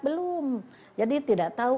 belum jadi tidak tahu